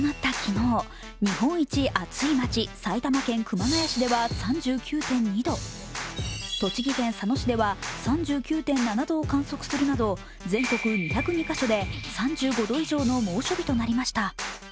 日本一暑い街、埼玉県熊谷市では３９．２度、栃木県佐野市では３９．７度を観測するなど全国２０２カ所で３５度以上の猛暑日となりました。